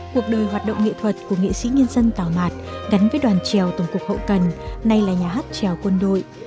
cuộc đời hoạt động nghệ thuật của nghệ sĩ nhân dân tào mạt gắn với đoàn trèo tổng cục hậu cần nay là nhà hát trèo quân đội